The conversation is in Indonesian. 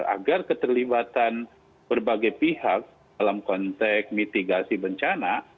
agar keterlibatan berbagai pihak dalam konteks mitigasi bencana